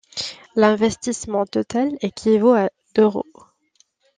L'investissement total équivaut à d'euros.